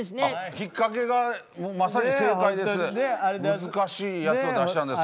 ひっかけがまさに正解です。